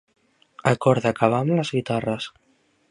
Acorda acabar amb les guitarres.